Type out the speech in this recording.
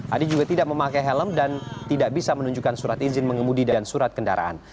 adi juga tidak memakai helm dan tidak bisa menunjukkan surat izin mengemudi dan surat kendaraan